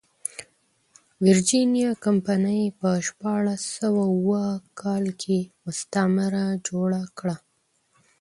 ویرجینیا کمپنۍ په شپاړس سوه اووه کال کې مستعمره جوړه کړه.